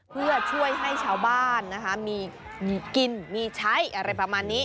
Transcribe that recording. เพื่อช่วยให้ชาวบ้านนะคะมีกินมีใช้อะไรประมาณนี้